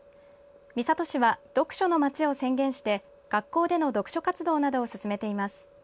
三郷市は「読書のまち」を宣言して学校での読書活動などを進めています。